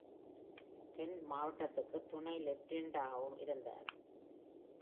கென்ட் மாவட்டத்திற்கு துணை லெப்டினன்ட்டாகவும் இருந்தார்.